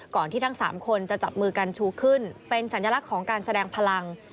ที่ทั้ง๓คนจะจับมือกันชูขึ้นเป็นสัญลักษณ์ของการแสดงพลัง